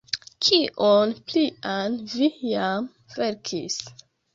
Kion plian vi jam verkis?